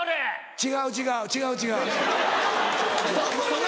違う違う違う。